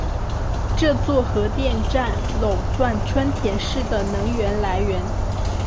这座核电站垄断春田市的能源来源。